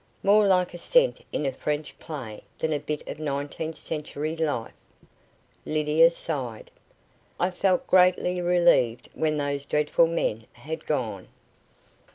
More like a scent in a French play than a bit of nineteenth century life." Lydia sighed. "I felt greatly relieved when those dreadful men had gone."